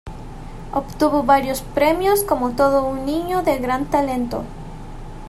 Obtuvo varios premios como todo un niño de gran talento.